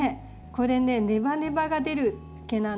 これねネバネバが出る毛なの。